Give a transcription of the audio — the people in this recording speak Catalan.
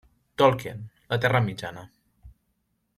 Tolkien, la terra Mitjana.